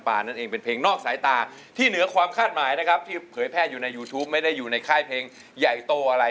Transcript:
เป็นเพลงนอกสายตาที่เหนือความคาดหมายนะครับ